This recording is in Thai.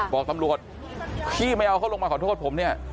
บอกตำรวจขี้ไม่เอาเขาลงมาขอโทษผม